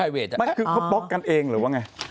ไม่คือเขาบล็อกกันเองหรือว่าไง